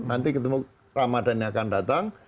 nanti ketemu ramadhan yang akan datang